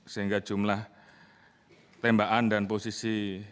sehingga jumlah tembakan dan posisi